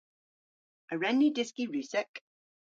A wren ni dyski Russek?